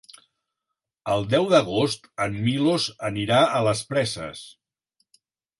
El deu d'agost en Milos anirà a les Preses.